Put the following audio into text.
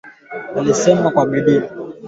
Ba mama bote beko na haki ya ku jenga nabo